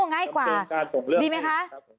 ง่ายกว่าดีไหมคะ